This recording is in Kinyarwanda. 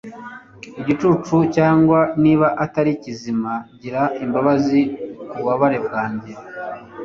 igicucu cyangwa niba atari kizima gira imbabazi kububabare bwanjye